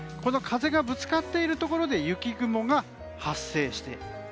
風がぶつかっているところで雪雲が発生している。